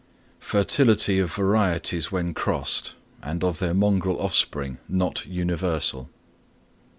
_Fertility of Varieties when Crossed, and of their Mongrel Offspring, not universal.